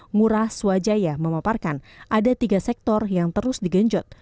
ngurah swajaya memaparkan ada tiga sektor yang terus digenjot